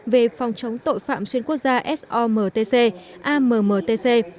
về phòng chống tội phạm xuyên quốc gia somtc ammtc